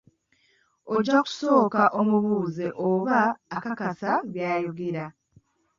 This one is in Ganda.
Ojja kusooka omubuuze oba akakasa by’ayogera.